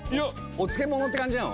お漬物って感じなの？